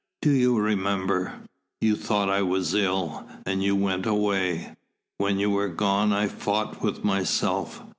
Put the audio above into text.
Do you remember? You thought I was ill, and you went away. When you were gone I fought with myself.